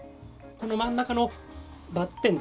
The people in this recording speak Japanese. この真ん中のバッテンですね